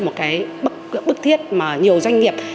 một cái bức thiết mà nhiều doanh nghiệp